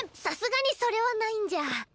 さすがにそれはないんじゃ。